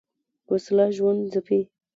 وسله ژوند ځپي